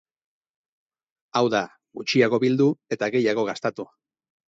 Hau da, gutxiago bildu eta gehiago gastatu.